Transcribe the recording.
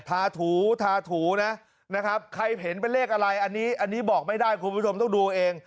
ทาถูทาถูนะนะครับใครเห็นเป็นเลขอะไรอันนี้อันนี้บอกไม่ได้คุณผู้ชมต้องดูเอาเอง